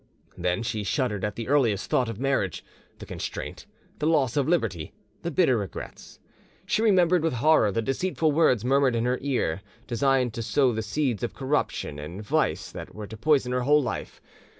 Then she shuddered at the earliest thought of marriage, the constraint, the loss of liberty, the bitter regrets; she remembered with horror the deceitful words murmured in her ear, designed to sow the seeds of corruption and vice that were to poison her whole life.